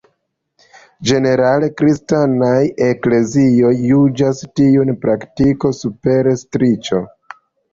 Ĝenerale la kristanaj eklezioj juĝas tiun praktikon superstiĉo.